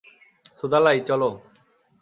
সুদালাই, চলো।